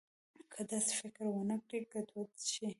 که داسې فکر ونه کړي، ګډوډ شي.